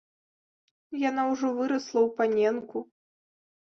Яна ўжо вырасла ў паненку.